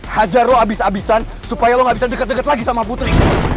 hajar lo habis habisan supaya lo gak bisa deket deket lagi sama putri